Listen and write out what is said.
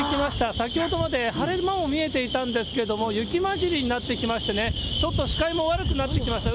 先ほどまで晴れ間も見えていたんですけれども、雪交じりになってきましてね、ちょっと視界も悪くなってきました。